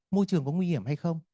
môi trường có nguy hiểm hay không